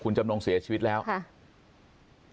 คุณจำนงเสียชีวิตแล้วค่ะ